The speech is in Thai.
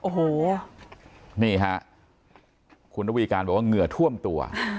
โอ้โหนี่ฮะคุณระวีการบอกว่าเหงื่อท่วมตัว